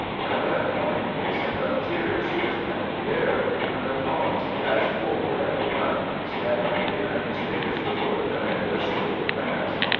At that point they sent up cheers which rent the air, and the columns dashed forward at a run, scattering the enemy's pickets before them in their swift advance.